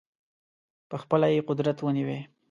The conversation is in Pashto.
په خپله یې قدرت ونیوی.